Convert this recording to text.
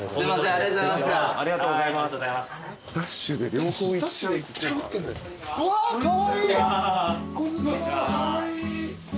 ありがとうございます。